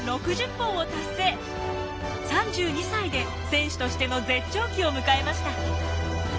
３２歳で選手としての絶頂期を迎えました。